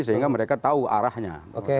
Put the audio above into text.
sehingga mereka tahu arahnya